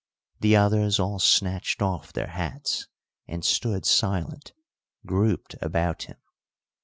The others all snatched off their hats and stood silent, grouped about him.